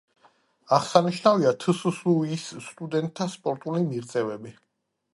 აღსანიშნავია თსსუ-ის სტუდენტთა სპორტული მიღწევები.